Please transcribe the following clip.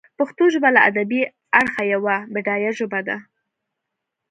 پښتو ژبه له ادبي اړخه یوه بډایه ژبه ده.